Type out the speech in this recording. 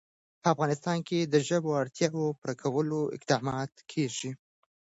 په افغانستان کې د ژبو اړتیاوو پوره کولو اقدامات کېږي.